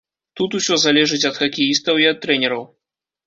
Тут усё залежыць ад хакеістаў і ад трэнераў.